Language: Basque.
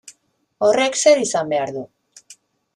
Horrek zer izan behar du?